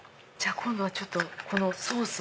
今度はこのソースを。